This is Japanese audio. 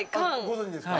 ご存じですか？